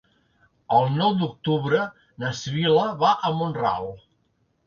El nou d'octubre na Sibil·la va a Mont-ral.